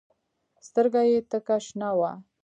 سترګه يې تکه شنه وه.